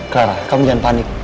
clara kamu jangan panik